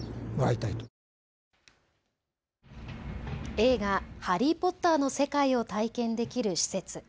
映画、ハリー・ポッターの世界を体験できる施設。